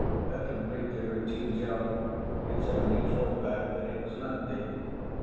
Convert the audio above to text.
A completely routine job, its only drawback that it was lengthy.